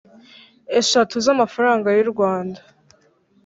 eshatu z amafaranga y u Rwanda